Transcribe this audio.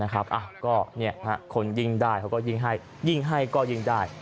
ก็คนยิ่งได้เขาก็ยิ่งให้ยิ่งให้ก็ยิ่งได้